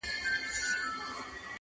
• خو اسمان دی موږ ته یو بهار ټاکلی -